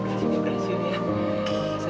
satria ingin operasi operasi ya